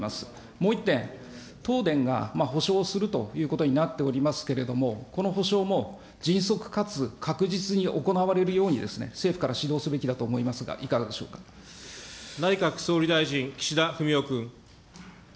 もう１点、東電が補償するということになっておりますけれども、この補償も迅速かつ確実に行われるように、政府から指導すべきだ内閣総理大臣、岸田文雄君。